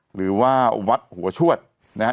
หรือว่าวัดหัวชวดนะฮะ